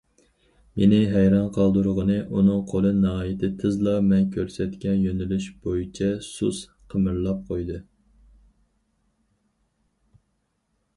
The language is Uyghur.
مېنى ھەيران قالدۇرغىنى، ئۇنىڭ قولى ناھايىتى تېزلا مەن كۆرسەتكەن يۆنىلىش بويىچە سۇس قىمىرلاپ قويدى.